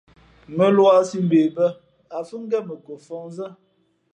Mᾱluā sī mbe bᾱ, ǎ fhʉ̄ ngén mα ko fαhnzᾱ.